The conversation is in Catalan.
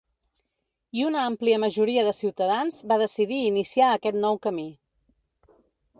I una àmplia majoria de ciutadans va decidir iniciar aquest nou camí.